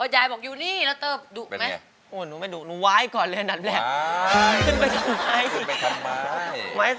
ยังปีนต้นไม้ได้อีกหรอครับ